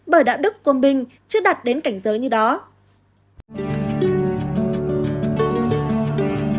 bởi đạo đức của mình chưa đặt đến cảnh giới như đó